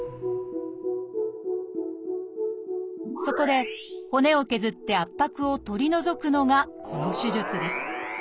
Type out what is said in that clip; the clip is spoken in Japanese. そこで骨を削って圧迫を取り除くのがこの手術です。